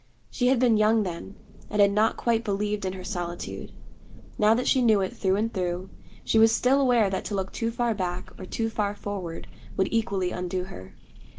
She had been young then, and had not quite believed in her solitude. Now that she knew it through and through, she was still aware that to look too far back or too far forward would equally undo her.